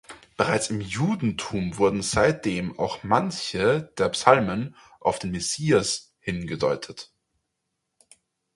Bereits im Judentum wurden seitdem auch manche der Psalmen auf den Messias hin gedeutet.